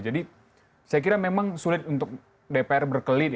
jadi saya kira memang sulit untuk dpr berkelit